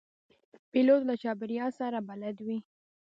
پیلوټ له چاپېریال سره بلد وي.